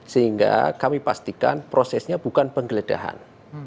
sehingga kami pastikan prosesnya bukan penggeledahan